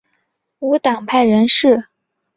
无党派人士。